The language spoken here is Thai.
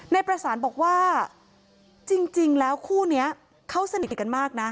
นายประสานบอกว่าจริงแล้วคู่นี้เขาสนิทกันมากนะ